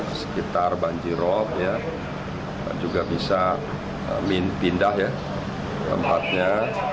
di sekitar banjirop juga bisa pindah ke tempatnya